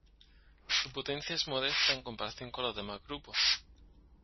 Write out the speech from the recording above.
Su potencia es modesta en comparación con los demás grupos.